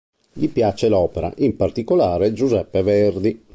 Gli piace l'opera, in particolare Giuseppe Verdi.